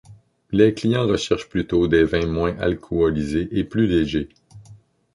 Les clients recherchent plutôt des vins moins alcoolisés et plus légers.